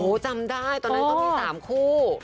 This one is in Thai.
โหจำได้ตอนนั้นต้องมี๓คู่